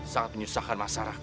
sangat menyusahkan masyarakat